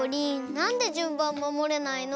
なんでじゅんばんまもれないの？